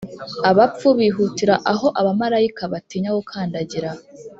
abapfu bihutira aho abamarayika batinya gukandagira